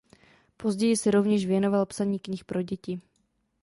Později se rovněž věnoval psaní knih pro děti.